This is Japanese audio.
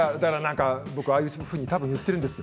ああいうふうに多分言っているんです。